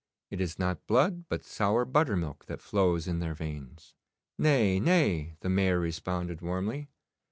It is not blood, but sour buttermilk that flows in their veins.' 'Nay, nay,' the Mayor responded warmly.